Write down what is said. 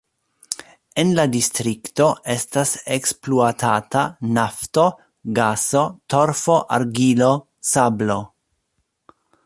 En la distrikto estas ekspluatata nafto, gaso, torfo, argilo, sablo.